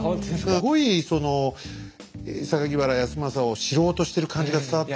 すごいその原康政を知ろうとしてる感じが伝わってきたんで。